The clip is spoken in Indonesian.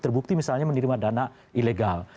terbukti misalnya menerima dana ilegal